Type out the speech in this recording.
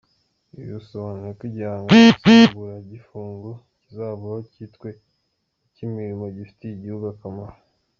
Ibi bisobanuye ko igihano nsimburagifungo kizavaho cyitwe icy’imirimo ifitiye igihugu akamaro.